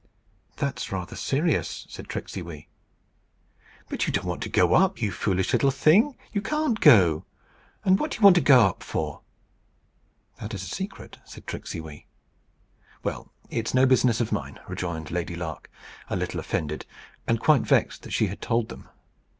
"That's rather serious," said Tricksey Wee. "But you don't want to go up, you foolish little thing! You can't go. And what do you want to go up for?" "That is a secret," said Tricksey Wee. "Well, it's no business of mine," rejoined Lady Lark, a little offended, and quite vexed that she had told them.